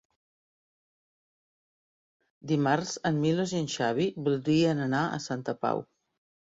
Dimarts en Milos i en Xavi voldrien anar a Santa Pau.